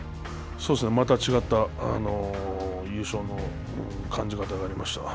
また違った優勝の感じ方がありました。